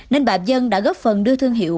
nên bà dân đã góp phần đưa thương hiệu